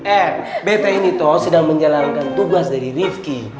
eh beta ini tuh sedang menjalankan tugas dari rifki